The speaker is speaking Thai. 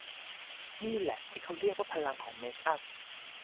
นี่แหละที่เขาเรียกว่าพลังของเมคอัพ